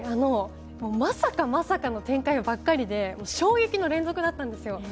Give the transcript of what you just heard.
まさかまさかの展開ばかりで衝撃の連続だったんですよ。